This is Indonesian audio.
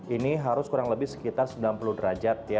ini harus kurang lebih sekitar sembilan puluh derajat ya